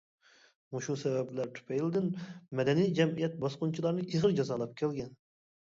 مۇشۇ سەۋەبلەر تۈپەيلىدىن، مەدەنىي جەمئىيەت باسقۇنچىلارنى ئېغىر جازالاپ كەلگەن.